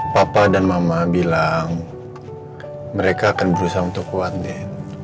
papa dan mama bilang mereka akan berusaha untuk kuat deh